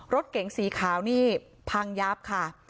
รถเก๋งสีขาวนี่พังยับค่ะ